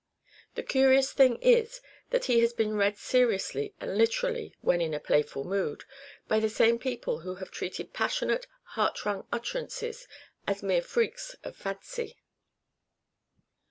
The curious thing is that he has been read seriously and literally when in a playful mood, by the same people who have treated passionate, heart wrung utterances as mere freaks of fancy.